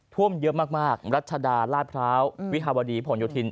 ท่วมเยอะมากรัชดาลาดพร้าววิภาวดีผลโยธิน